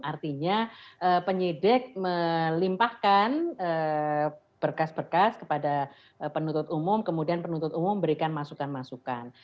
artinya penyidik melimpahkan berkas berkas kepada penuntut umum kemudian penuntut umum memberikan masukan masukan